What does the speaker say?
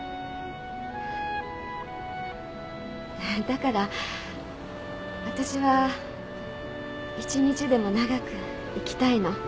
だからわたしは一日でも長く生きたいの。